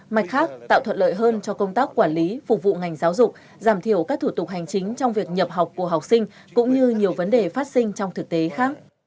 mặt khác tạo thuận lợi hơn cho công tác quản lý phục vụ ngành giáo dục giảm thiểu các thủ tục hành chính trong việc nhập học của học sinh cũng như nhiều vấn đề phát sinh trong thực tế khác